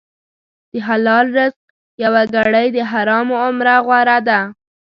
د حلال رزق یوه ګړۍ د حرامو عمره غوره ده.